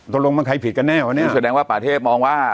ตรงมันใครผิดกันแน่วะเนี้ยนี่แสดงว่าประเทศมองว่า